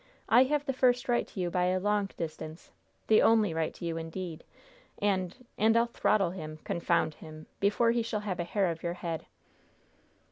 I have the first right to you by a long distance the only right to you, indeed and and I'll throttle him confound him! before he shall have a hair of your head!"